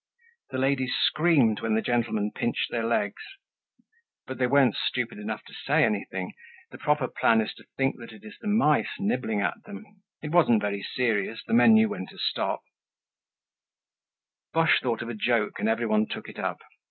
The ladies screamed when the gentlemen pinched their legs. But they were weren't stupid enough to say anything! The proper plan is to think that it is the mice nibbling at them. It wasn't very serious; the men knew when to stop. Boche thought of a joke and everyone took it up.